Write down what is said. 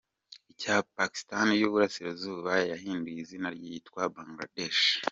Icyari Pakistan y’uburasirazuba yahinduye izina yitwa Bangladesh.